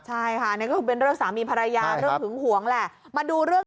ใช่ค่ะนี่ก็คือเป็นเรื่องสามีภรรยาเรื่องหึงหวงแหละมาดูเรื่อง